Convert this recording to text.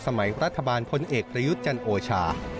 สมัยรัฐบาลพลเอกประยุทธ์จันโอชา